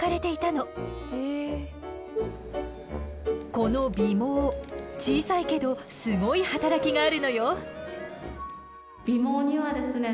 この尾毛小さいけどすごい働きがあるのよ。